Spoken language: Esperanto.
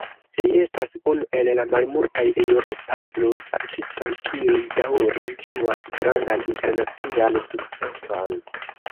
Li estas unu el la malmultaj eŭropaj blus-artistoj kiuj daŭre ĝuas grandan internacian sukceson.